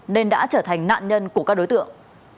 nên đã trở thành nạn nhân của các đối tượng